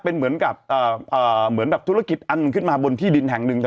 เป็นเหมือนกับธุรกิจอันขึ้นมาบนที่ดินแห่งหนึ่ง